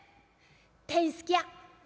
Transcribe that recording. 「天すき屋」。